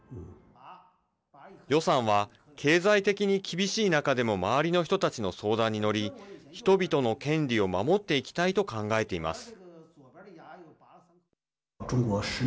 余さんは経済的に厳しい中でも周りの人たちの相談に乗り人々の権利を守っていきたいと考えています。